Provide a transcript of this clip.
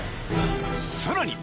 ［さらに！